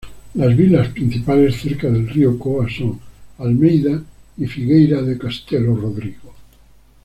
Las "vilas" principales cerca del río Côa son: Almeida y Figueira de Castelo Rodrigo.